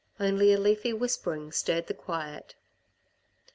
Only a leafy whispering stirred the quiet.